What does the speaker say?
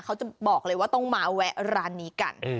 เขาจะบอกเลยว่าต้องมาแวะร้านนี้กัน